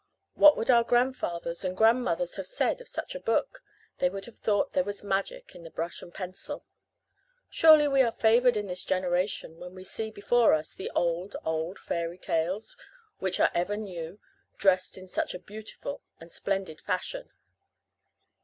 What would our grandfathers and grandmothers have said of such a book! They would have thought there was magic in the brush and pencil. Surely we are favoured in this generation when we see before us, the old, old fairy tales, which are ever new, dressed in such a beautiful and splendid fashion!